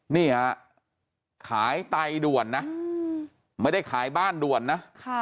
นี่ฮะขายไตด่วนนะไม่ได้ขายบ้านด่วนนะ